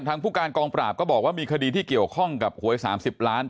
ผู้การกองปราบก็บอกว่ามีคดีที่เกี่ยวข้องกับหวย๓๐ล้าน